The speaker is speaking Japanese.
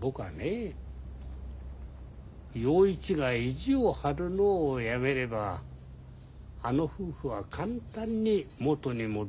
僕はね洋一が意地を張るのをやめればあの夫婦は簡単に元に戻ると踏んでいる。